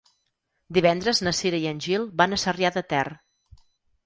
Divendres na Cira i en Gil van a Sarrià de Ter.